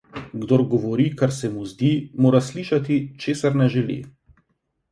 Kdor govori, kar se mu zdi, mora slišati, česar ne želi.